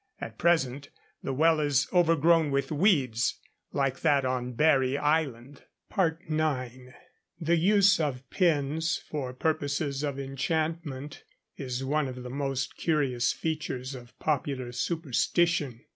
At present the well is overgrown with weeds, like that on Barry Island. FOOTNOTE: 'Arch. Camb.,' 3rd Se., xiii., 61. IX. The use of pins for purposes of enchantment is one of the most curious features of popular superstition.